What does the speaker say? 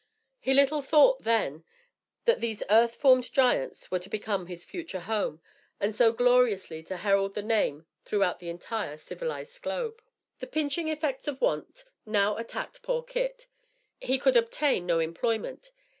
He little thought, then, that these earth formed giants were to become his future home, and so gloriously to herald his name throughout the entire civilized globe. The pinching effects of want now attacked poor Kit. He could obtain no employment.